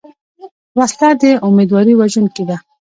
وسله د امیدواري وژونکې ده